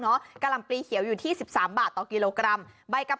เนาะกาลำปลีเขียวอยู่ที่๑๓บาทต่อกกิโลกรัมไปกับ